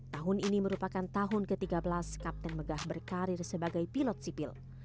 tahun ini merupakan tahun ke tiga belas kapten megah berkarir sebagai pilot sipil